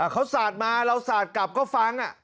เขาสาดมาเราสาดกลับก็ฟัง